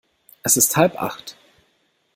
Es ist halb acht.